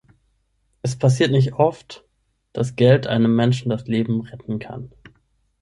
Es passiert nicht oft, dass Geld einem Menschen das Leben retten kann.